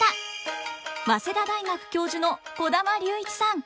早稲田大学教授の児玉竜一さん。